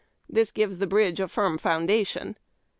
This gives the bridge a firm foundation.